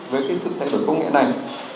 với sự thay đổi công nghệ này